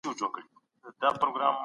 موږ وخت بيا ګورو.